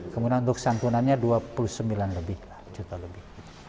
kemudian untuk santunannya dua puluh sembilan lebih juta lebih